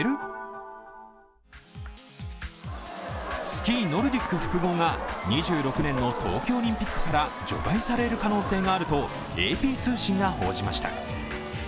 スキーノルディック複合が２６年の冬季オリンピックから除外される可能性があるとＡＰ通信が報じました。